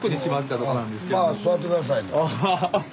まあ座って下さい。